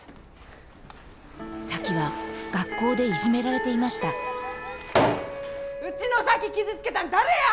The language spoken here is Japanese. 咲妃は学校でいじめられていましたうちの咲妃傷つけたん誰や！